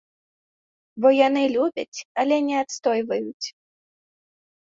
Бо яны любяць, але не адстойваюць.